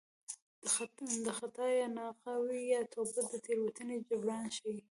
د خطا یا ناغه وي یا توبه د تېروتنې جبران ښيي